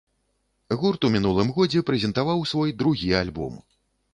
Гурт у мінулым годзе прэзентаваў свой другі альбом.